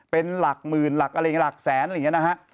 เป็นหลักหมื่นหรือหลักแสนหรือแบบนี้นะฮะ